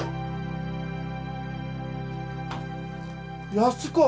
安子！